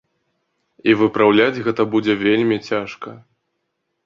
І выпраўляць гэта будзе вельмі цяжка.